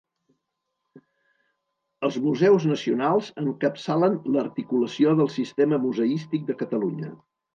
Els museus nacionals encapçalen l'articulació del sistema museístic de Catalunya.